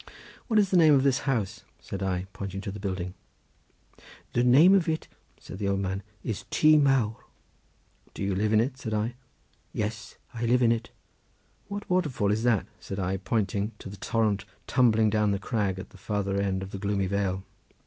"What is the name of this house?" said I, pointing to the building. "The name of it," said the old man, "is Tŷ Mawr." "Do you live in it?" said I. "Yes, I live in it." "What waterfall is that?" said I, pointing to the torrent tumbling down the crag at the farther end of the gloomy vale.